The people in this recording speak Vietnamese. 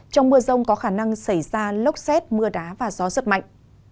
trong mưa rông có khả năng xảy ra lốc xét mưa đá và gió rất mạnh